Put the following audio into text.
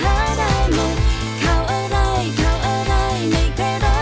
เข้าอะไรเข้าอะไรไม่มีใครรักอย่างเหลับ